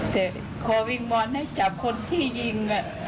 แต่ขอวิงวอนให้จับคนที่ยิง